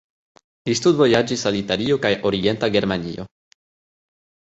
Li studvojaĝis al Italio kaj Orienta Germanio.